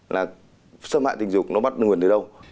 là xâm hại tình dục nó bắt nguồn từ đâu